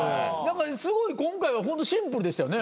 すごい今回はホントシンプルでしたよね。